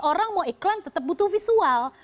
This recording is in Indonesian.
orang mau iklan tetap butuh visual